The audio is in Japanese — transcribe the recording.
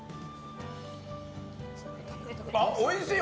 あ、おいしい。